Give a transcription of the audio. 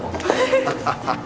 ハハハハ。